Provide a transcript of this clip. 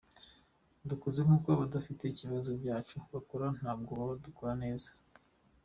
Dukoze nk’uko abadafite ibibazo nk’ibyacu bakora, ntabwo twaba dukora neza”.